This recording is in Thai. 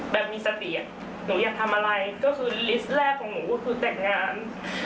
มีสติหนูอยากทำอะไรก็คือลิสต์แรกของหนูก็คือแต่งงาน